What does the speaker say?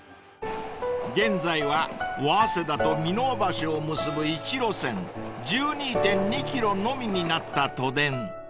［現在は早稲田と三ノ輪橋を結ぶ１路線１２．２ｋｍのみになった都電］